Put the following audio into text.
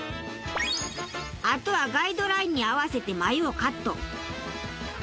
あとはガイドラインに合わせて眉をカット。